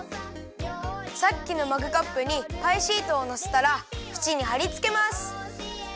さっきのマグカップにパイシートをのせたらふちにはりつけます。